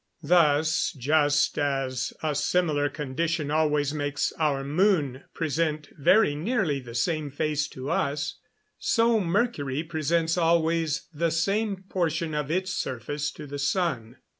Thus, just as a similar condition always makes our moon present very nearly the same face to us, so Mercury presents always the same portion of its surface to the sun.